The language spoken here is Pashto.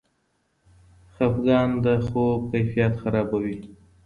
خفګان د خوب کیفیت خرابوي.